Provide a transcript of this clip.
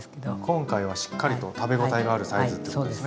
今回はしっかりと食べ応えのあるサイズっていうことですね。